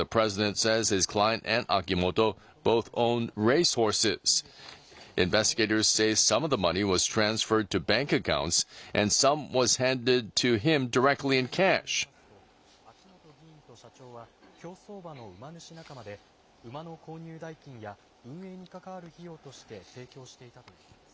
社長の弁護士によりますと秋本議員と社長は競走馬の馬主仲間で馬の購入代金や運営に関わる費用として提供していたということです。